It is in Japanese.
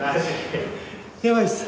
やばいです。